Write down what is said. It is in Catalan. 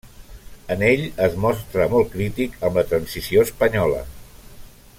En ell es mostra molt crític amb la transició espanyola.